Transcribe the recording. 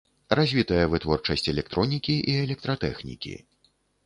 Развітая вытворчасць электронікі і электратэхнікі.